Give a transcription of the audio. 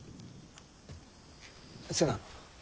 瀬名。